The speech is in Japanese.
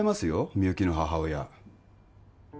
みゆきの母親